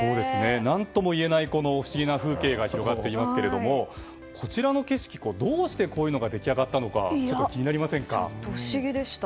何ともいえない不思議な風景が広がっていますけれどもこちらの景色、どうしてこういうのが出来上がったのか不思議でした。